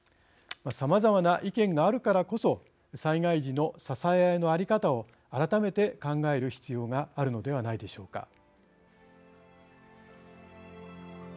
さまざまな意見があるからこそ災害時の支えあいの在り方を改めて考える必要があるのではないでしょうか。